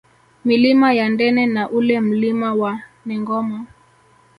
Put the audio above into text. Milima ya Ndene na ule Mlima wa Nengoma